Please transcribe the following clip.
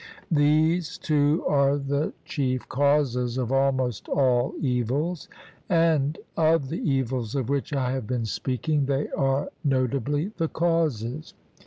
These two are the chief causes of almost all evils, and of the evils of which I have been speaking they are notably the causes.